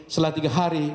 setelah tiga hari